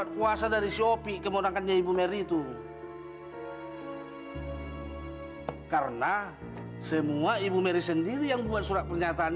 kuasa dari shopee kemonangkannya ibu merry itu karena semua ibu meri sendiri yang buat surat pernyataan